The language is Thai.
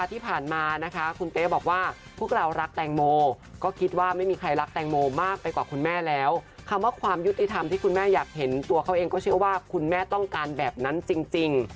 ต้องการแบบนั้นจริง